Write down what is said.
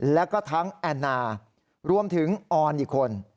แล้วก็ทั้งแอนนารวมถึงออนอีกคน